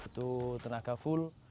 tentang tenaga full